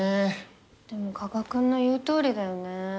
でも加鹿君の言うとおりだよね。